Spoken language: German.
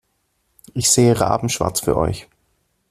Ich sehe rabenschwarz für euch.